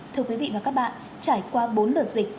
thưa quý vị và các bạn trải qua bốn đợt dịch